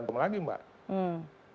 itu bukan tanggung jawab kami lagi mbak